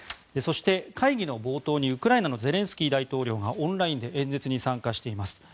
そして、会議の冒頭にウクライナのゼレンスキー大統領がオンラインで演説に参加しています。